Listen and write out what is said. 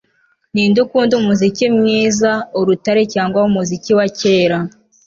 Ninde ukunda umuziki mwiza urutare cyangwa umuziki wa kera